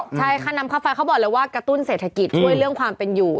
ใช่ค่าน้ำค่าไฟเขาบอกเลยว่ากระตุ้นเศรษฐกิจช่วยเรื่องความเป็นอยู่